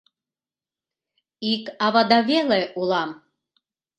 Ик авада веле улам.